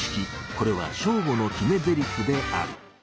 これはショーゴの決めぜりふである。